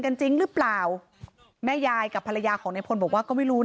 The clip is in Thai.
จริงหรือเปล่าแม่ยายกับภรรยาของในพลบอกว่าก็ไม่รู้